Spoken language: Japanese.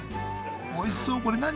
おいしそうこれ。何？